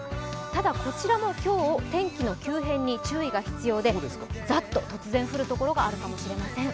ただこちらも今日天気の急変に注意が必要で、ざっと突然降る所があるかもしれません。